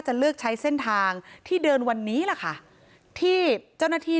เลือกใช้เส้นทางที่เดินวันนี้แหละค่ะที่เจ้าหน้าที่